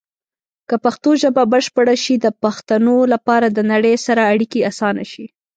که پښتو ژبه بشپړه شي، د پښتنو لپاره د نړۍ سره اړیکې اسانه شي.